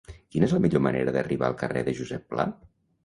Quina és la millor manera d'arribar al carrer de Josep Pla?